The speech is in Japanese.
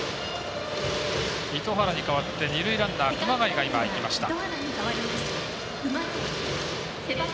糸原に代わって二塁ランナー、熊谷がいきました。